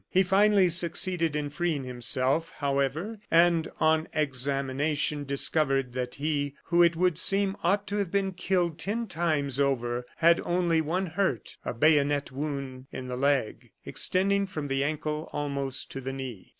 He finally succeeded in freeing himself, however, and, on examination, discovered that he, who it would seem ought to have been killed ten times over, had only one hurt a bayonet wound in the leg, extending from the ankle almost to the knee.